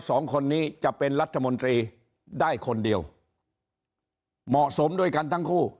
สองคนนี้จะเป็นรัฐมนตรีได้คนเดียวเหมาะสมด้วยกันทั้งคู่